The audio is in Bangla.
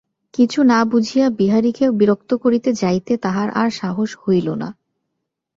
কিছু না বুঝিয়া বিহারীকে বিরক্ত করিতে যাইতে তাহার আর সাহস হইল না।